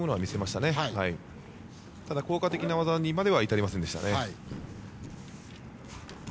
ただ、効果的な技にまでは至りませんでしたね。